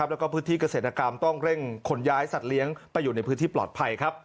แล้วก็พื้นที่เกษตรกรรมต้องเร่งขนย้ายสัตว์เลี้ยงไปอยู่ในพื้นที่ปลอดภัย